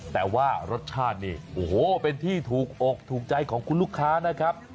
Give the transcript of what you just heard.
แต่ว่ารสชาตินี่โอ้โหเป็นที่ถูกอกถูกใจของคุณลูกค้านะครับ